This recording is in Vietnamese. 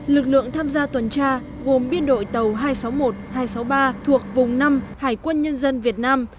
lực lượng tham gia tuần tra gồm biên đội tàu hai trăm sáu mươi một hai trăm sáu mươi ba thuộc vùng năm hải quân nhân dân việt nam